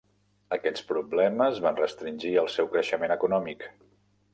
Aquests problemes van restringir el seu creixement econòmic.